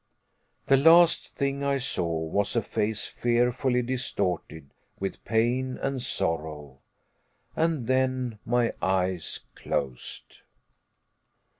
The last thing I saw was a face fearfully distorted with pain and sorrow; and then my eyes closed.